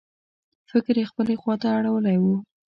فکر یې خپلې خواته اړولی و.